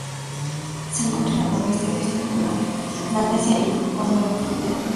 Se encuentra al noroeste de Australia, Melanesia y Papúa Nueva Guinea.